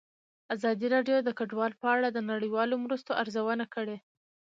ازادي راډیو د کډوال په اړه د نړیوالو مرستو ارزونه کړې.